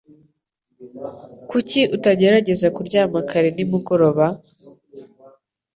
Kuki utagerageza kuryama kare nimugoroba?